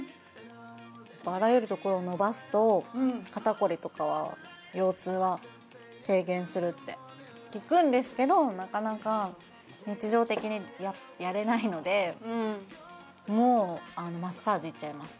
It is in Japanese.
あらゆるところを伸ばすと肩凝りとか腰痛は軽減するって聞くんですけどなかなか日常的にやれないのでもうマッサージ行っちゃいます